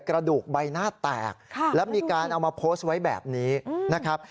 กระดูกใบหน้าแตกแล้วมีการเอามาโพสต์ไว้แบบนี้นะครับ